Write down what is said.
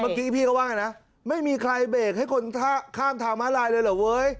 เมื่อกี้พี่ก็ว่านะไม่มีใครเบรกให้คนข้ามทางม้าลายเลยเหรอเว้ย